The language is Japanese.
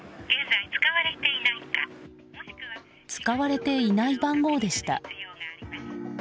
使われていない番号でした。